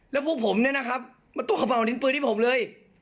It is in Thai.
แล้วผู้ผมเนี่ยนะครับมาตุ๊กเข้ามาเอาลิ้นปืนที่ผมเลย